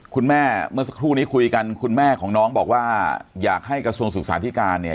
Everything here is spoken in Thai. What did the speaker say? เมื่อสักครู่นี้คุยกันคุณแม่ของน้องบอกว่าอยากให้กระทรวงศึกษาธิการเนี่ย